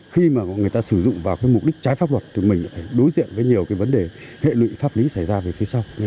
khi mà người ta sử dụng vào mục đích trái pháp luật thì mình lại phải đối diện với nhiều cái vấn đề hệ lụy pháp lý xảy ra về phía sau